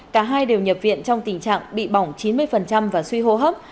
cả hai đều nhập viện trong tình trạng bị bỏng chín mươi và suy hô hấp